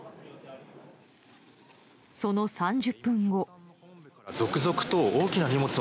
その３０分後。